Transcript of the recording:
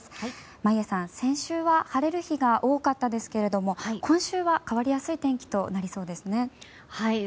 眞家さん、先週は晴れる日が多かったですけれども今週は変わりやすい天気となりそうですね。